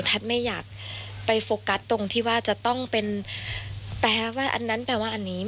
ไม่อยากไปโฟกัสตรงที่ว่าจะต้องเป็นแปลว่าอันนั้นแปลว่าอันนี้